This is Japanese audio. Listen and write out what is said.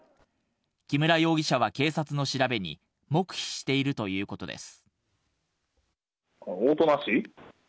木村容疑者は警察の調べに、黙秘しているということです。